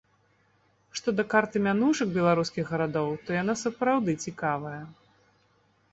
Што да карты мянушак беларускіх гарадоў, то яна сапраўды цікавая.